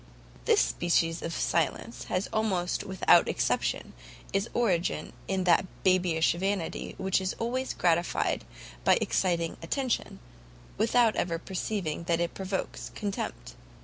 This species of silence has almost without exception its origin in that babyish vanity which is always gratified by exciting attention, without ever perceiving that it provokes contempt.